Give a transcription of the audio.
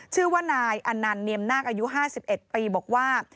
ชื่อว่านายอนันต์เนียมนาคอายุ๕๑ปีบอกว่า